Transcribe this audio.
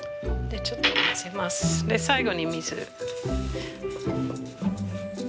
で最後に水。